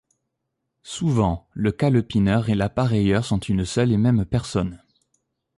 Souvent le calepineur et l'appareilleur sont une seule et même personne.